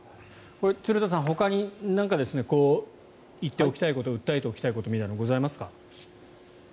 これ、鶴田さんほかに何か言っておきたいこと訴えておきたいみたいなことございますか？